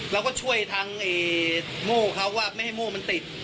เราก็ช่วยทางโม่เขาว่าไม่ให้โม่มันติด